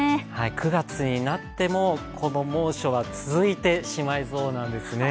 ９月になっても、この猛暑は続いてしまいそうなんですね。